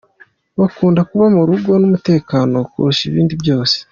Bakunda kuba mu rugo n’umutekano kurusha ibindi byose